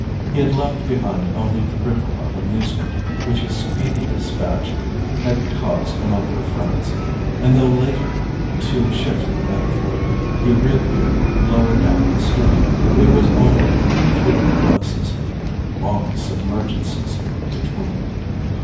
He had left behind only the ripple of amusement which his speedy despatch had caused among her friends; and though later (to shift the metaphor) he reappeared lower down the stream, it was only in fleeting glimpses, with long submergences between.